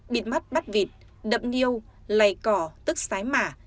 bịt mắt bắt vịt đậm niêu lầy cỏ tức sái mả